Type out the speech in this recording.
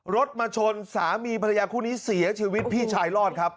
รถมาชนสามีภรรยาคู่นี้เสียชีวิตพี่ชายรอดครับ